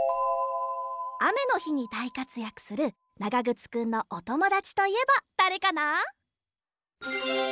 あめのひにだいかつやくするながぐつくんのおともだちといえばだれかな？